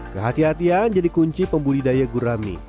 kehatian kehatian jadi kunci pembuli daya gurami